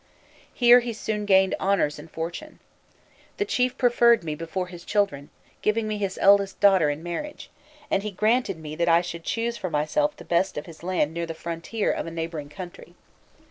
Here he soon gained honours and fortune. "The chief preferred me before his children, giving me his eldest daughter in marriage, and he granted me that I should choose for myself the best of his land near the frontier of a neighbouring country.